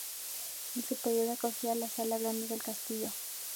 El superior acogía la sala grande del castillo.